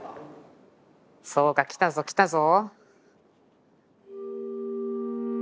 そうかきたぞきたぞ。